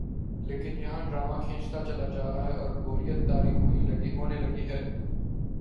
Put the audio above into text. لیکن یہاں ڈرامہ کھنچتا چلا جارہاہے اوربوریت طاری ہونے لگی ہے۔